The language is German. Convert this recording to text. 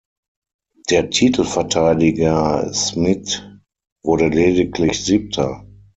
Der Titelverteidiger Szmidt wurde lediglich Siebter.